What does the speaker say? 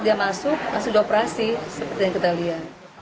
dia masuk masuk operasi seperti yang kita lihat